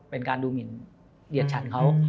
เป็นการดูหมินเหยียดฉันเขา